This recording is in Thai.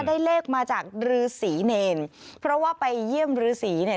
ได้เลขมาจากรือศรีเนรเพราะว่าไปเยี่ยมฤษีเนี่ย